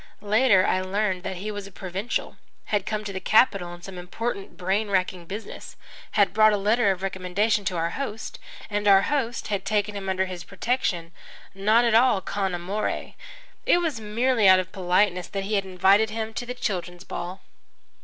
Later I learned that he was a provincial, had come to the capital on some important, brain racking business, had brought a letter of recommendation to our host, and our host had taken him under his protection, not at all con amore. It was merely out of politeness that he had invited him to the children's ball.